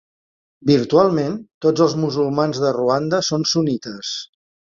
Virtualment tots els musulmans de Ruanda són sunnites.